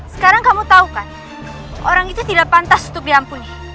sekarang kamu tahu kan orang itu tidak pantas untuk diampuni